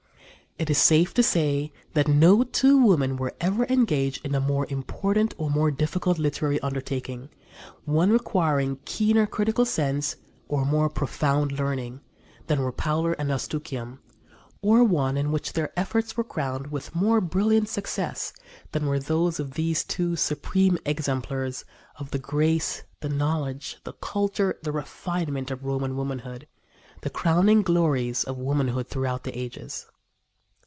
It is safe to say that no two women were ever engaged in a more important or more difficult literary undertaking one requiring keener critical sense or more profound learning than were Paula and Eustochium, or one in which their efforts were crowned with more brilliant success than were those of these two supreme exemplars of the grace, the knowledge, the culture, the refinement of Roman womanhood the crowning glories of womanhood throughout the ages.